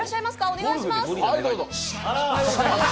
お願いします。